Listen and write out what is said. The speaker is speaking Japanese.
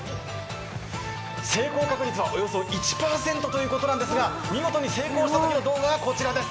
最高確率はおよそ１％ということなんですが、見事に成功したときの動画がこちらです。